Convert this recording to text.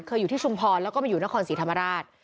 อยู่ที่ชุมพรแล้วก็มาอยู่นครศรีธรรมราช